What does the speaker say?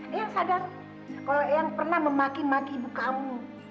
eyang sadar kalau eyang pernah memaki maki ibu kamu